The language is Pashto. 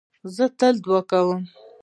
زه تل دؤعا کوم.